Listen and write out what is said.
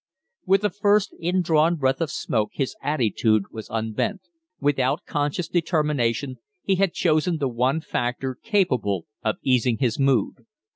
With the first indrawn breath of smoke his attitude had unbent. Without conscious determination, he had chosen the one factor capable of easing his mood.